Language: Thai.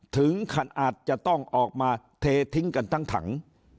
อาจจะต้องออกมาเททิ้งกันทั้งถัง